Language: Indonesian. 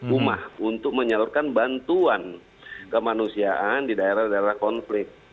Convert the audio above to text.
rumah untuk menyalurkan bantuan kemanusiaan di daerah daerah konflik